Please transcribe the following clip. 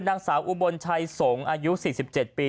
นางสาวอุบลชัยสงฆ์อายุ๔๗ปี